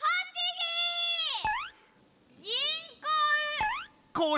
ぎんこう！